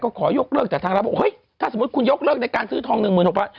ก็ขอยกเลิกจากทางรัฐศาสตร์ถ้าสมมุติคุณยกเลิกในการซื้อทองหนึ่งหมื่นหกบาท